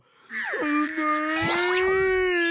うまい！